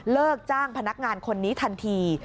เลิกจ้างพนักงานคนนี้ทันที